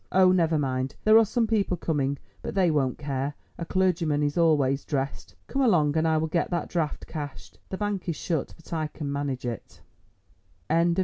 Oh, never mind; there are some people coming but they won't care; a clergyman is always dressed. Come along and I will get that draft cashed. The bank is shut, but I can manage it." CHAPTER XX.